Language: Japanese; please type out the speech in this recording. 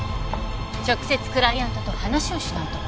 直接クライアントと話をしないと。